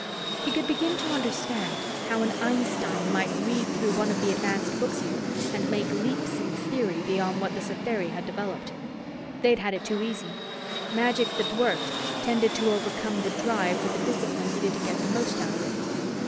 He could begin to understand how an Einstein might read through one of the advanced books here and make leaps in theory beyond what the Satheri had developed. They'd had it too easy. Magic that worked tended to overcome the drive for the discipline needed to get the most out of it.